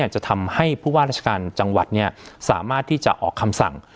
จะทำให้ผู้ว่าราชการจังหวัดสามารถที่จะออกคำสั่ง